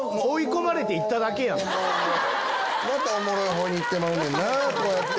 またおもろい方にいってまうねんなこうやって。